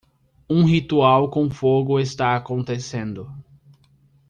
Um ritual com fogo está acontecendo.